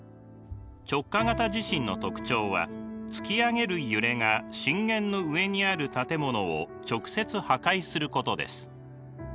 直下型地震の特徴は突き上げる揺れが震源の上にある建物を直接破壊することです。